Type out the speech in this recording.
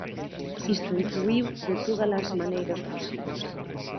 Isto influíu de todas as maneiras posibles.